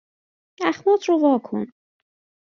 اخمات رو وا کن